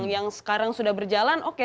yang sekarang sudah berjalan oke